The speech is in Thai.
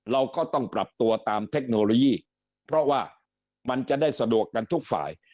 เราก็ต้องปรับตัวตามเทคโนโลยีเพราะว่ามันจะได้สะดวกกันทุกฝ่าย